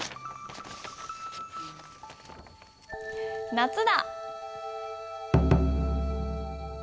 「夏だ」。